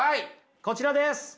こちらです。